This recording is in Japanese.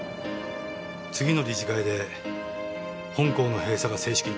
次の理事会で本校の閉鎖が正式に決まる。